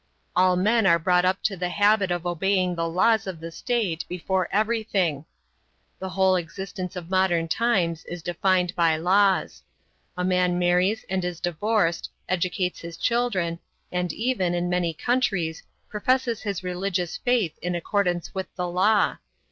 All men are brought up to the habit of obeying the laws of the state before everything. The whole existence of modern times is defined by laws. A man marries and is divorced, educates his children, and even (in many countries) professes his religious faith in accordance with the law.